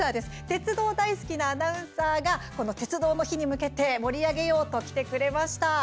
鉄道大好きなアナウンサーがこの鉄道の日に向けて盛り上げようと来てくれました。